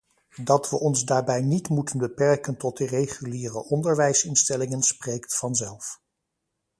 Dat we ons daarbij niet moeten beperken tot de reguliere onderwijsinstellingen spreekt vanzelf.